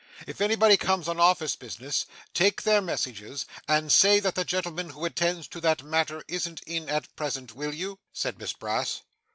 'If anybody comes on office business, take their messages, and say that the gentleman who attends to that matter isn't in at present, will you?' said Miss Brass.